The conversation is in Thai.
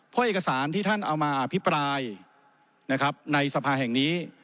เพราะเอกสารที่ท่านเอามาอภิปรายนะครับในสภาแห่งนี้